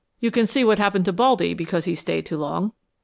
You can see what happened to 'Baldy' because he stayed too long."